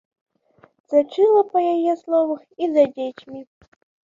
Сачыла, па яе словах, і за дзецьмі.